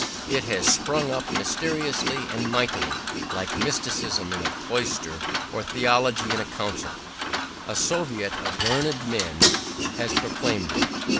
It has sprung up mysteriously and mightily, like mysticism in a cloister or theology in a council: a Soviet of learned men has proclaimed it.